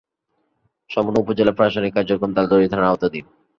সম্পূর্ণ উপজেলার প্রশাসনিক কার্যক্রম তালতলী থানার আওতাধীন।